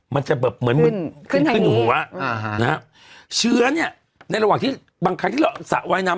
มันจะเบิบเหมือนมืดขึ้นหัวนะเชื้อนี้ในระหว่างที่บางครั้งที่เราสระว่ายน้ำ